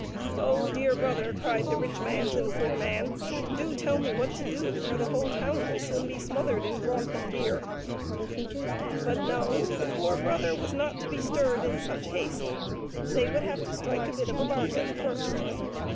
" Oh, dear brother !" cried the rich man to the poor man, " do tell me what to do or the whole town will soon be smothered in broth and beer." But, no ; the poor brother was not to be stirred in such haste ; they would have to strike a bit of a bargain first.